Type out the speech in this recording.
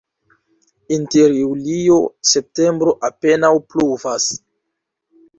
Inter julio-septembro apenaŭ pluvas.